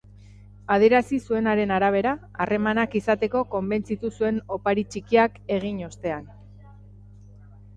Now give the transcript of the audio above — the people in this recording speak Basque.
Adierazi zuenaren arabera, harremanak izateko konbentzitu zuen opari txikiak egin ostean.